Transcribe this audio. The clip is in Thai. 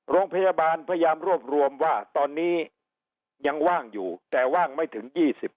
โรงพยาบาลพยายามรวบรวมว่าตอนนี้ยังว่างอยู่แต่ว่างไม่ถึง๒๐